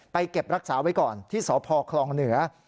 เก็บรักษาไว้ก่อนที่สพคลองเหนือ